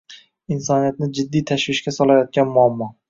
Insoniyatni jiddiy tashvishga solayotgan muammo